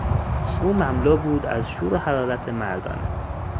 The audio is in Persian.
او مملو بود از شور و حرارت مردانه.